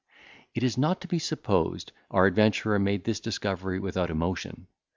It is not to be supposed our adventurer made this discovery without emotion.